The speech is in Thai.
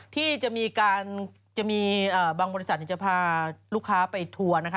ที่บางบริษัทจะพาลูกค้าไปทัวร์นะคะ